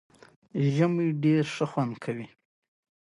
باد د ګل پاڼې خوځوي